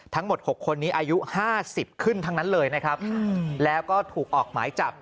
ทั้งหมด๖คนนี้อายุ๕๐ขึ้นทั้งนั้นเลยนะครับแล้วก็ถูกออกหมายจับ